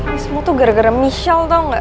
ini semua tuh gara gara michelle tau gak